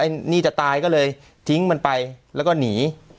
อันนี้จะตายก็เลยทิ้งมันไปแล้วก็หนี